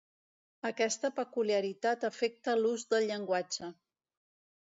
Aquesta peculiaritat afecta l'ús del llenguatge.